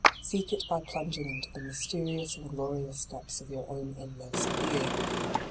Seek it by plunging into the mys terious and glorious depths of your own inmost being.